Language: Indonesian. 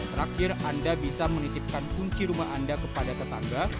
dan terakhir anda bisa menitipkan kunci rumah anda kepada tetangga